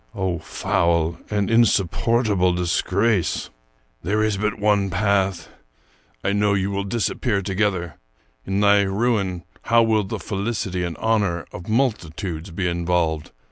Oh, foul and insupportable disgrace! " There is but one path. I know you will disappear to gether. In thy ruin, how will the felicity and honor of multitudes be involved!